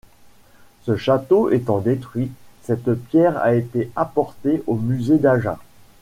Ce château étant détruit, cette pierre a été apportée au musée d'Agen.